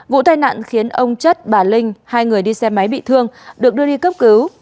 vụ tai nạn khiến ông chất bà linh hai người đi xe máy bị thương được đưa đi cấp cứu